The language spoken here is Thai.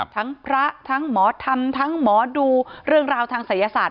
ทั้งพระทั้งหมอธรรมทั้งหมอดูเรื่องราวทางศัยศาสต